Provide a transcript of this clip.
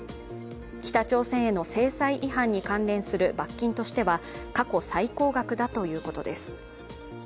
北朝鮮への制裁違反に関連する罰金としては過去最高額だということです。